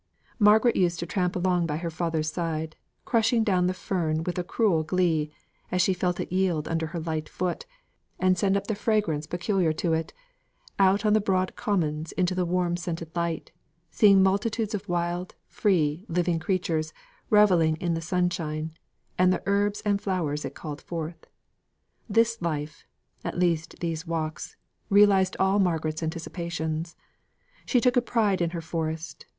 Margaret used to tramp along by her father's side, crushing down the fern with a cruel glee, as she felt it yield under her light foot, and send up the fragrance peculiar to it out on the broad commons into the warm scented light, seeing multitudes of wild, free, living creatures, revelling in the sunshine, and the herbs and flowers it called forth. This life at least these walks realised all Margaret's anticipations. She took a pride in her forest.